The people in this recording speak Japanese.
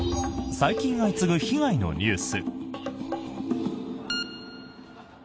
最近相次ぐ被害のニュース。